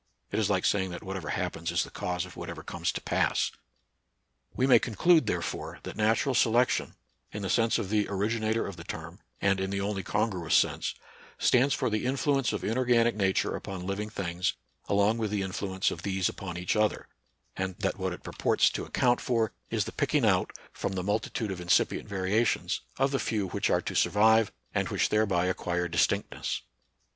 It is like saying that whatever happens is the cause of whatever .comes to pass. "We may conclude, therefore, that natural selection, in the sense of the originator of the term, and in the only congruous sense, stands for the influence of inorganic nature upon living things, along with the influence of these upon each other; and that what it purports to ac 50 NATURAL SCIENCE AND RELIGION. count for is the picking out, from the multitude of incipient variations, of the few which are to survive, and which thereby acquire distinctness.